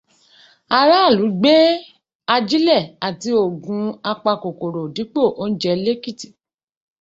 Aráàlú gbé ajílẹ̀ àti oògùn apakòkòrò dípò oúnjẹ l'Ékìtì.